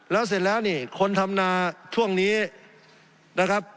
แล้วเสร็จแล้วนี่คนทำนาช่วงนี้นะครับ